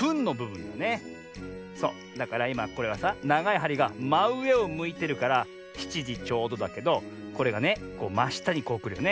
そうだからいまこれはさながいはりがまうえをむいてるから７じちょうどだけどこれがねましたにこうくるよね。